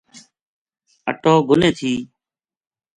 اَٹو گھُنے تھی